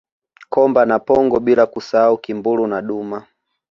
Komba na pongo bila kusahau Kimburu na Duma